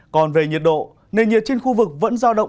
còn về nhiệt độ nền nhiệt trên khu vực vẫn giao động